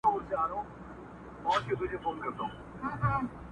د جامع څنګ ته په يو صوف کي.